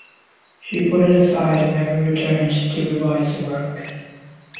She put it aside and never returned to revise the work.